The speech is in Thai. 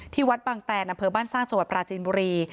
วัดบางแตนอำเภอบ้านสร้างจังหวัดปราจีนบุรี